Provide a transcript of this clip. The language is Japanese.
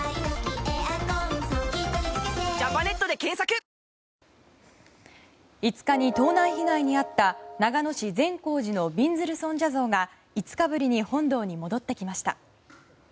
ダイハツ５日に盗難被害に遭った長野市善行寺のびんずる尊者像が５日ぶりに本堂に戻ってきました。